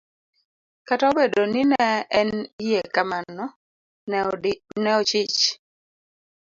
Kataobedo ni ne en iye kamano, ne ochich.